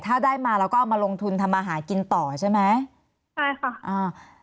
ถ้าได้มาเราก็เอามาลงทุนทำอาหารกินต่อใช่ไหมใช่ค่ะอ่า